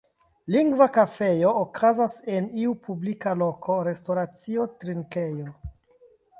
Lingva kafejo okazas en iu publika loko, restoracio, trinkejo.